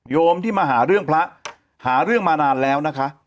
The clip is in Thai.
มที่มาหาเรื่องพระหาเรื่องมานานแล้วนะคะ